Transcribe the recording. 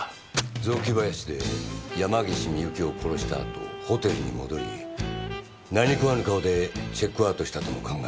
雑木林で山岸ミユキを殺した後ホテルに戻り何食わぬ顔でチェックアウトしたとも考えられる。